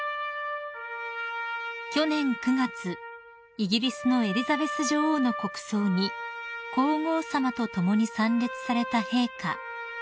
［イギリスのエリザベス女王の国葬に皇后さまと共に参列された陛下］